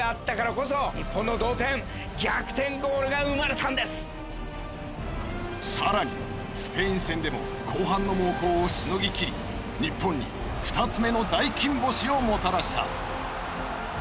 その中でも語り草になっているのがさらにスペイン戦でも後半の猛攻をしのぎきり日本に２つ目の大金星をもたらした。